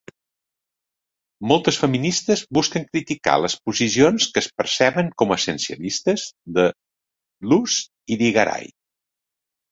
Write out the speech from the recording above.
Moltes feministes busquen criticar les posicions que es perceben com essencialistes de Luce Irigaray.